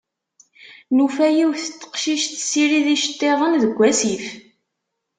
Nufa yiwet n teqcict tessirid iceṭṭiḍen deg wasif.